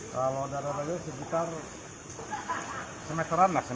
kalau daratnya sekitar satu meteran lah satu meter